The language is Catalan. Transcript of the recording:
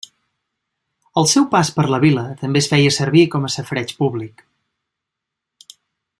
Al seu pas per la vila també es feia servir com a safareig públic.